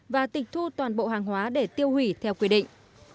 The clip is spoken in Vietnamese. và tịch thu toàn bộ hàng hóa để tiêu hủy theo quy định